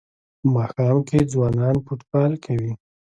په ماښام کې ځوانان فوټبال کوي.